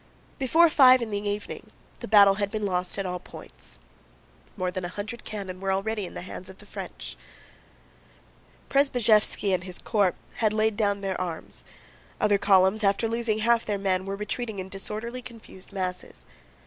Before five in the evening the battle had been lost at all points. More than a hundred cannon were already in the hands of the French. Przebyszéwski and his corps had laid down their arms. Other columns after losing half their men were retreating in disorderly confused masses.